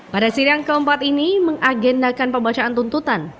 pada sidang keempat ini mengagendakan pembacaan tuntutan